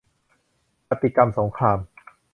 ปฏิกรรมสงคราม